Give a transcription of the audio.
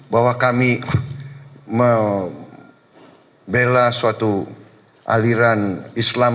bahwa kami membela suatu aliran islam